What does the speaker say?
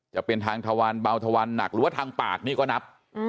จะเป็นทางทวันเบาทวันหนักหรือว่าทางปากนี่ก็นับ